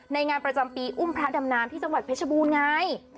งานประจำปีอุ้มพระดำน้ำที่จังหวัดเพชรบูรณ์ไง